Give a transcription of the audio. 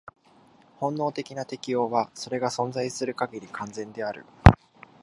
本能的な適応は、それが存在する限り、完全である。